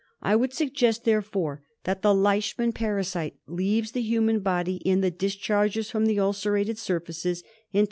I would I suggest, therefore, that I the Leishman parasite leaves the human body \ in the discharges from t;K('Ji gnr ■^^ ulcerated surfaces — intes t*" '(^